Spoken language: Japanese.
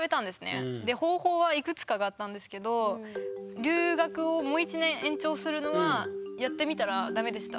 で方法はいくつかがあったんですけど留学をもう１年延長するのはやってみたら駄目でした。